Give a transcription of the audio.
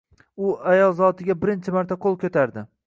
U ayol zotiga birinchi marta qo‘l ko‘tardi…